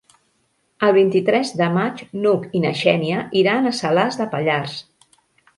El vint-i-tres de maig n'Hug i na Xènia iran a Salàs de Pallars.